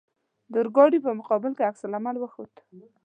د اورګاډي په مقابل کې عکس العمل وښود.